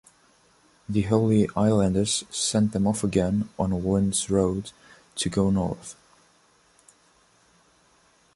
The Holy Islanders send them off again on Wind's Road to go North.